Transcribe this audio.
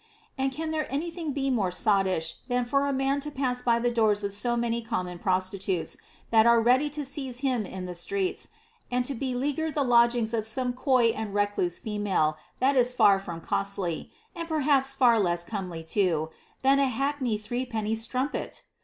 And can there any thing be more sottish, than for a man to pass by the doors of so many common prostitutes that are ready to seize him in the streets, and to beleaguer the lodgings of some coy and recluse female that is far more costly, and perhaps far less comely too, than a hackney three penny strumpet?